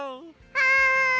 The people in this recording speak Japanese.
はい！